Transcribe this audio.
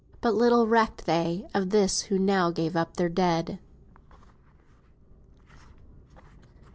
But little they recked of this who now gave up their dead.